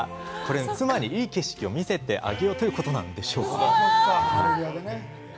妻にいい景色を見せてあげようということなんでしょうか。